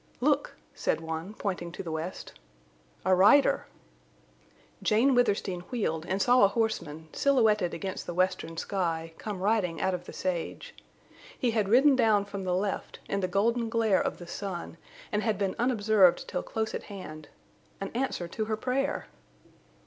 "Look!" said one, pointing to the west. "A rider!" Jane Withersteen wheeled and saw a horseman, silhouetted against the western sky, coming riding out of the sage. He had ridden down from the left, in the golden glare of the sun, and had been unobserved till close at hand. An answer to her prayer!